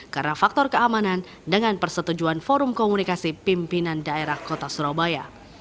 karena faktor keamanan dengan persetujuan forum komunikasi pimpinan daerah kota surabaya